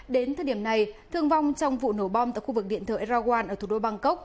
đến thời điểm này thương vong trong vụ nổ bom tại khu vực điện thở eraguan ở thủ đô bangkok